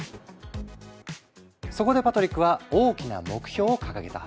そこでパトリックは大きな目標を掲げた。